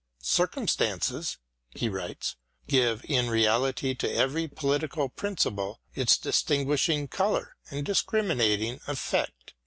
Circumstances [he writes] give in reality to every political principle its distinguishing colour and discriminating effect.